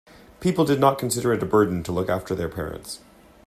People did not consider it a burden to look after their parents.